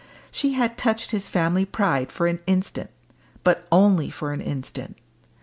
She had touched his family pride for an instant; but only for an instant.